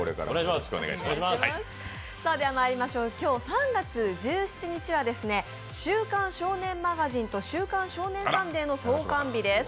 今日３月１７日は「週刊少年マガジン」と「週刊少年サンデー」の創刊日です